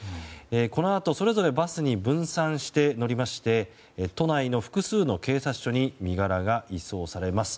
このあと、それぞれバスに分散して乗りまして都内の複数の警察署に身柄が移送されます。